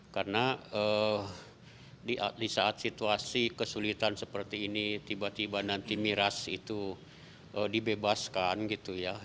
karena di saat situasi kesulitan seperti ini tiba tiba nanti miras itu dibebaskan gitu ya